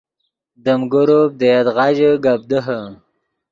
دیم گروپ دے یدغا ژے گپ دیہے